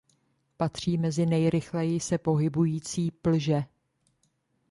Patří mezi nejrychleji se pohybující plže.